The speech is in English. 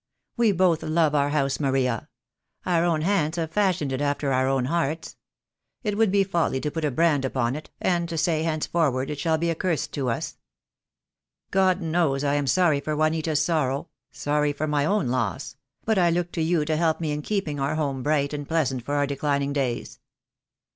'We both love our house, Maria. Our own hands have fashioned it after our own hearts. It would be folly to put a brand upon it, and to say henceforward it shall be accursed to us. God knows I am sorry for Juanita's sorrow, sorry for my I4O THE DAY WILL COME. own loss; but I look to you to help me in keeping our home bright and pleasant for our declining days."